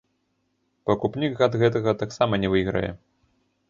Пакупнік ад гэтага таксама не выйграе.